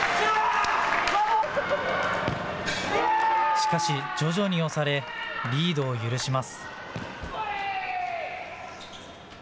しかし、徐々に押されリードを許します。